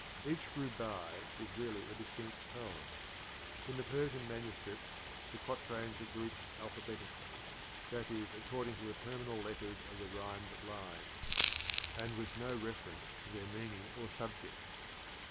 Each rubaiy is really a distincl poem. In the Persian manuscripts the quatrains are grouped alphabetically, that is according to the terminal letters of the rhymed lines, and with no reference to their meaning or subjecl.